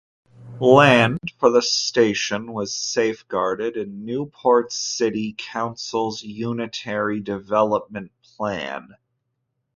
Land for the station was safeguarded in Newport City Council's Unitary Development Plan.